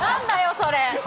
それ！